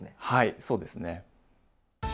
はいそうですね。